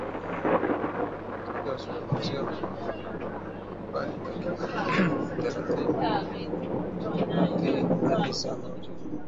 watangazaji wanazungumza kwa takribani dakika thelathi hadi saa moja